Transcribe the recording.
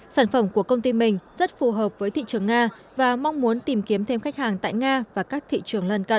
sản phẩm của công ty mình rất phù hợp với thị trường nga và mong muốn tìm kiếm thêm khách hàng tại nga và các thị trường lân cận